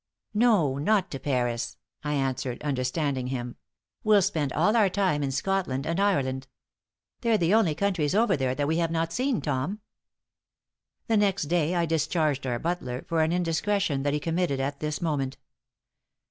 "No, not to Paris," I answered, understanding him. "We'll spend all our time in Scotland and Ireland. They're the only countries over there that we have not seen, Tom." The next day I discharged our butler for an indiscretion that he committed at this moment.